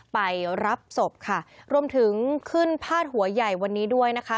ไปรับศพค่ะรวมถึงขึ้นพาดหัวใหญ่วันนี้ด้วยนะคะ